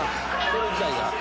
これ自体が？